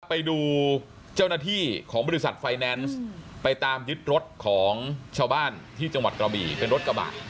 ไปดูเจ้าหน้าที่ของบริษัทไฟแนนซ์ไปตามยึดรถของชาวบ้านที่จังหวัดกระบี่เป็นรถกระบะ